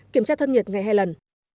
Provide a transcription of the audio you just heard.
kiểm tra thân nhiệt ngày hai lần